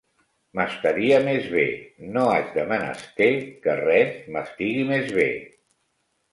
M’estaria més bé! No haig de menester que res m’estigui més bé;